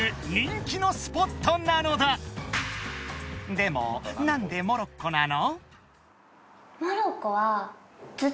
［でも何でモロッコなの？］